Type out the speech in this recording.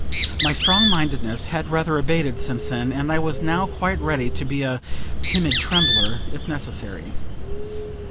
My strong mindedness had rather abated since then, and I was now quite ready to be a "timid trembler," if necessary.